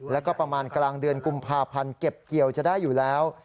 แล้วก็ประมาณกลางเดือนกุมภาพันธ์เก็บเกี่ยวจะได้อยู่แล้ว